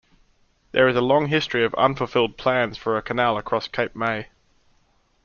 There is a long history of unfulfilled plans for a canal across Cape May.